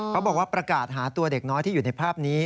เขาบอกว่าประกาศหาตัวเด็กน้อยที่อยู่ในภาพนี้